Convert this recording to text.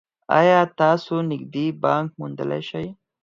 ایا تاسو نږدې بانک موندلی شئ؟